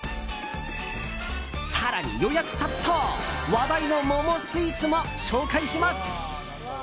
更に、予約殺到話題の桃スイーツも紹介します。